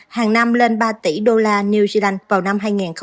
hàng năm lên ba tỷ đô la new zealand vào năm hai nghìn hai mươi